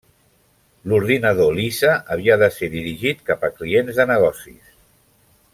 L'ordinador Lisa havia de ser dirigit cap a clients de negocis.